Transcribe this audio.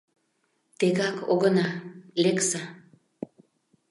— Тегак огына, лекса.